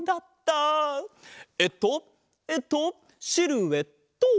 えっとえっとシルエット。